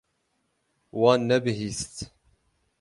Wan nebihîst.